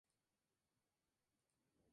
Antiguamente en este valle existían osos pardos.